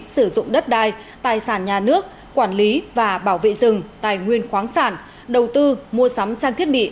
sử dụng đất đai tài sản nhà nước quản lý và bảo vệ rừng tài nguyên khoáng sản đầu tư mua sắm trang thiết bị